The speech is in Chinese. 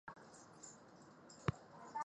后在广州圣希理达教会学校学习英语。